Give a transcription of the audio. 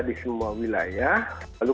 di semua wilayah lalu